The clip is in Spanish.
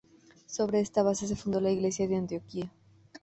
Sobre esta base, se fundó la iglesia de Antioquía.